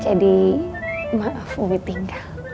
jadi maaf umi tinggal